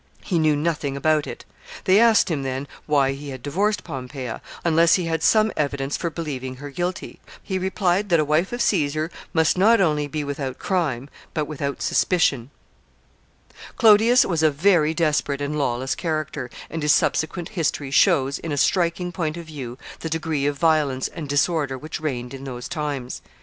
He knew nothing about it. They asked him, then, why he had divorced Pompeia, unless he had some evidence for believing her guilty, He replied, that a wife of Caesar must not only be without crime, but without suspicion. [Sidenote: Quarrel of Clodius and Milo.] [Sidenote: Violence of the time.] Clodius was a very desperate and lawless character, and his subsequent history shows, in a striking point of view, the degree of violence and disorder which reigned in those times.